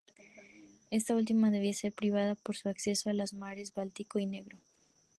Esta última debía ser privada de su acceso a los mares Báltico y Negro.